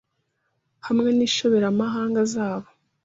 hamwe n’inshoberamahanga zabo.